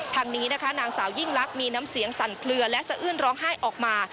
ทางนี้นะคะนางสาวยิ่งลักษณ์มีน้ำเสียงสั่นเคลือและสะอื้นร้องไห้ออกมา